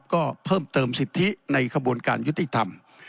ก็เพิ่มเติมสิทธิในขบวนการยุติธรรม